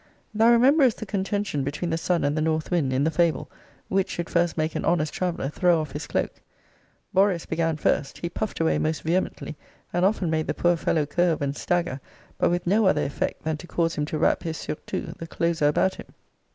Thou remembrest the contention between the Sun and the North wind, in the fable; which should first make an honest traveller throw off his cloak. Boreas began first. He puffed away most vehemently; and often made the poor fellow curve and stagger; but with no other effect, than to cause him to wrap his surtout the closer about him.